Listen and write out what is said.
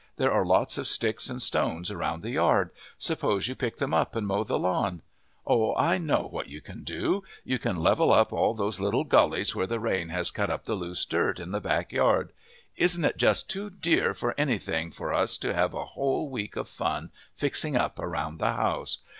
There are lots of sticks and stones around the yard. Suppose you pick them up and mow the lawn. Oh, I know what you can do! You can level up all these little gullies where the rain has cut up the loose dirt in the back yard. Isn't it just too dear for anything for us to have a whole week of fun fixing up around the house?